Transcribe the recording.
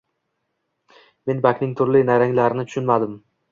Men bankning turli nayranglarini tushunmadim.